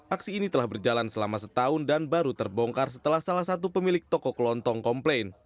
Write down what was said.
aksi ini telah berjalan selama setahun dan baru terbongkar setelah salah satu pemilik toko kelontong komplain